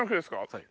はい。